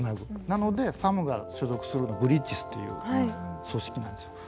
なのでサムが所属するの「ブリッジズ」っていう組織なんですよ。